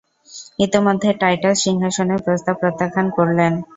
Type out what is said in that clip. ইতিমধ্যে টাইটাস সিংহাসনের প্রস্তাব প্রত্যাখ্যান করলেন।